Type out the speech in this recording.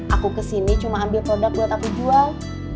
aku kesini cuma ambil produk buat aku jual